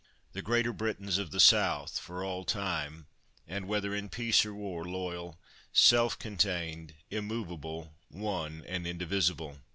The Greater Britains of the South, for all time; and whether in peace or war, loyal, self contained, immovable, one and indivisible.